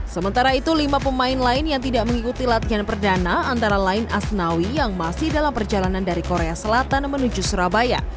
sementara itu lima pemain lain yang tidak mengikuti latihan perdana antara lain asnawi yang masih dalam perjalanan dari korea selatan menuju surabaya